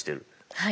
はい。